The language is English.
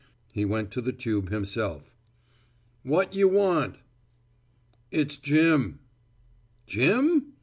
He went to the tube himself. "What you want?" "It's Jim." "Jim?